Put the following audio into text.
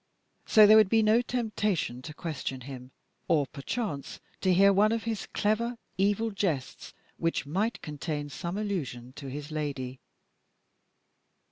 So there would be no temptation to question him, or perchance to hear one of his clever, evil jests which might contain some allusion to his lady.